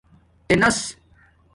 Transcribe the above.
ِتِناس